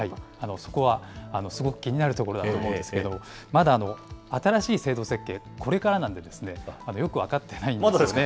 そこはすごく気になるところだと思うんですが、まだ新しい制度設計、これからなんで、よく分かってないんですよね。